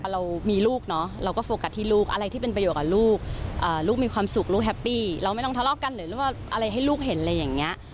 เรามีลูกเนาะเราก็โฟกัสที่ลูกอะไรที่เป็นประโยชน์กับลูกลูกมีความสุขลูกแฮปปี้เราไม่ต้องทะเลาะกันหรือว่าอะไรให้ลูกเห็นอะไรอย่างนี้